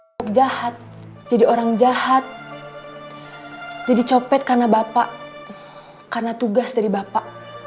untuk jahat jadi orang jahat jadi copet karena bapak karena tugas dari bapak